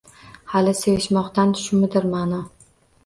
Hali sevishmoqdan shumidir ma’no?